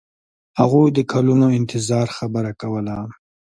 هغوی د کلونو انتظار خبره کوله.